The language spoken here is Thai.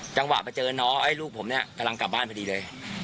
จังหวะไปเจอน้องไอ้ลูกผมเนี่ยกำลังกลับบ้านพอดีเลย